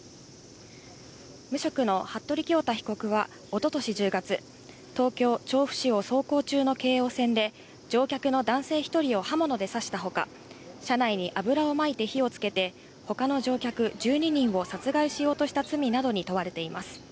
無職の服部恭太被告は、おととし１０月、東京・調布市を走行中の京王線で、乗客の男性１人を刃物で刺したほか、車内に油をまいて火をつけて、ほかの乗客１２人を殺害しようとした罪などに問われています。